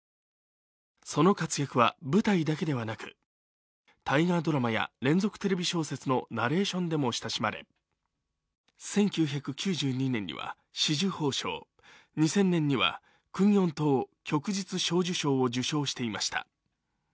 その活躍は舞台だけではなく、大河ドラマや連続テレビ小説のナレーションでも親しまれ、１９９２年には紫綬褒章２０００年には勲四等旭日小綬章を受章していました。